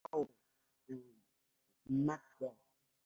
Raw y SmackDown!